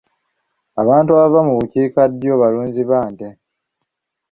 Abantu abava mu bukiikaddyo balunzi ba nte.